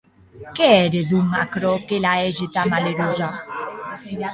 Qué ère, donc, aquerò que la hège tan malerosa?